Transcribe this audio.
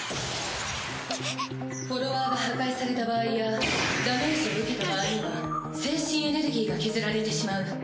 フォロワーが破壊された場合やダメージを受けた場合には精神エネルギーが削られてしまう。